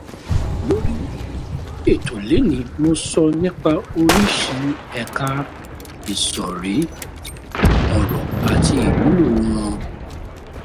Lórí ètò lónìí mo sọ nípa oríṣìí ẹ̀ka ìsọ̀rí ọ̀rọ̀ àti ìwúlò wọn.